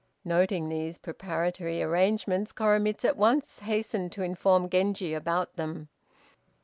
Noting these preparatory arrangements, Koremitz at once hastened to inform Genji about them.